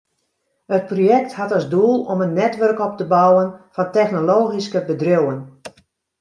It projekt hat as doel om in netwurk op te bouwen fan technologyske bedriuwen.